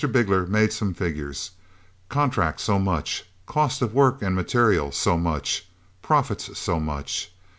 Bigler made some figures; contract so much, cost of work and materials so much, profits so much.